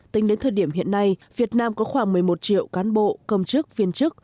tính đến thời điểm hiện nay việt nam có khoảng một mươi một triệu cán bộ công chức viên chức